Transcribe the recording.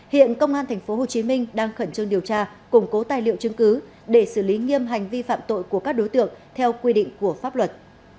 hiện công an tp hcm đang khẩn trương điều tra củng cố tài liệu chứng cứ để xử lý nghiêm hành vi phạm tội của các đối tượng theo quy định của pháp luật